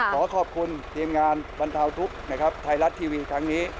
ขอขอบคุณทีมงานบรรเทาทุกข์นะครับไทยรัฐทีวีครั้งนี้